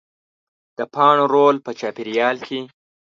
د پاڼو رول په چاپېریال کې